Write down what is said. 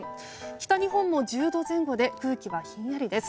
北日本も１０度前後で空気はひんやりです。